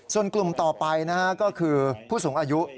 ส่วนกลุ่มต่อไปก็คือผู้สูงอายุ